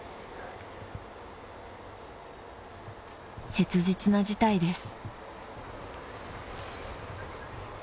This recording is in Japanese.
［切実な事態です］